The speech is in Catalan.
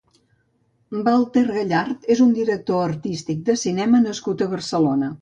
Balter Gallart és un director artístic de cinema nascut a Barcelona.